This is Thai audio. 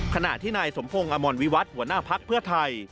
ขณะที่นายสมพงศ์อมรวิวัฒน์หัวหน้าภักดิ์เพื่อไทย